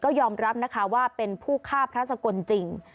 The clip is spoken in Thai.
ก็ยอมรับนะคะว่าเป็นผู้ฆ่าพระสกลจริง